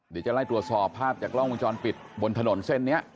เดี๋ยวจะไล่ตรวจสอบภาพจากกล้องวงจรปิดบนถนนเส้นนี้